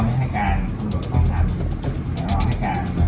ไม่ตามความทรัพย์ที่กินก่อนเนอะ